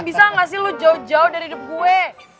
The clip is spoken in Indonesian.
bisa gak sih lu jauh jauh dari hidup gue